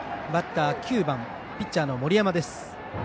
バッターは９番ピッチャーの森山です。